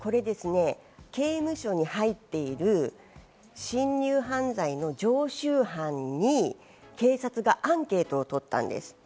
刑務所に入っている、侵入犯罪の常習犯に警察がアンケートをとったんです。